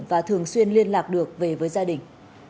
và thường xuyên liên lạc được về với gia đình